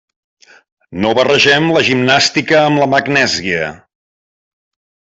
No barregem la gimnàstica amb la magnèsia.